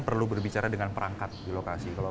perlu berbicara dengan perangkat di lokasi kalau